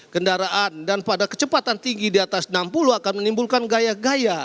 kendaraan dan pada kecepatan tinggi di atas enam puluh akan menimbulkan gaya gaya